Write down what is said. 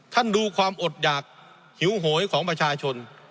ดูความอดหยากหิวโหยของประชาชน